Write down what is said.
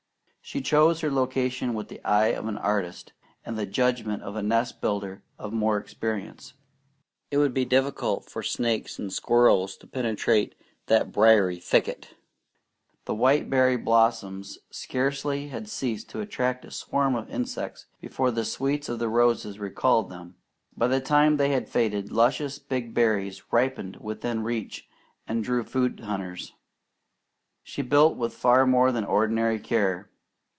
She chose her location with the eye of an artist, and the judgment of a nest builder of more experience. It would be difficult for snakes and squirrels to penetrate that briery thicket. The white berry blossoms scarcely had ceased to attract a swarm of insects before the sweets of the roses recalled them; by the time they had faded, luscious big berries ripened within reach and drew food hunters. She built with far more than ordinary care.